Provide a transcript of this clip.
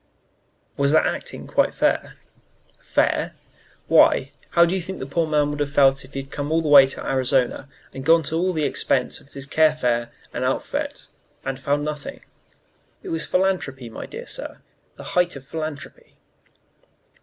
"Was that acting quite fair?" "Fair? Why, how do you think that poor man would have felt if he had come all the way out to Arizona, and gone to all the expense of his car fare and outfit, and then found nothing? It was philanthropy, my dear sir, the height of philanthropy."